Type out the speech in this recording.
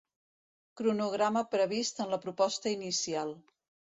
Cronograma previst en la proposta inicial.